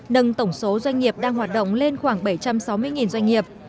nâng tổng số doanh nghiệp đang hoạt động lên khoảng bảy trăm sáu mươi doanh nghiệp